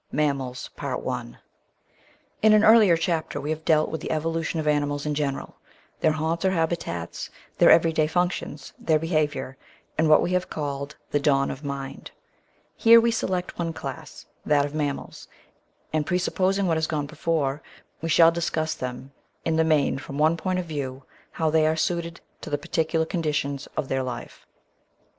MAMMALS IN an earlier chapter we have dealt with the evolution of animals in general, their haunts or habitats, their everyday functions, their behaviour, and what we have called the dawn of mind. Here we select one class, that of Mammals, and, presupposing what has gone before, we shall discuss them in the main from one point of view — ^how they are suited to the particular conditions of their life.